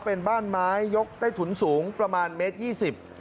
เป็นบ้านไม้ยกใต้ถุนสูงประมาณเมตรยี่สิบ